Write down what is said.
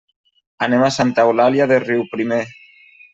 Anem a Santa Eulàlia de Riuprimer.